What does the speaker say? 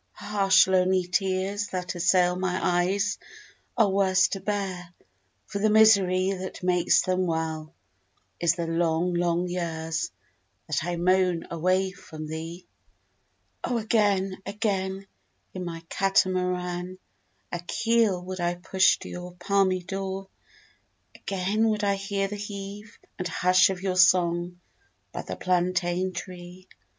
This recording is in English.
Harsh lonely tears That assail my eyes Are worse to bear, For the misery That makes them well Is the long, long years That I moan away from thee! O again, again, In my katamaran A keel would I push To your palmy door! Again would I hear The heave and hush Of your song by the plantain tree.